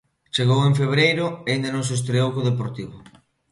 Chegou en Febreiro e aínda non se estreou co Deportivo.